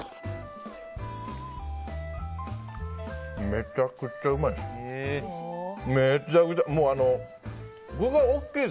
めちゃくちゃうまい。